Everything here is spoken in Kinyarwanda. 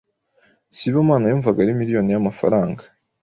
Sibomana yumvaga ari miliyoni y'amafaranga.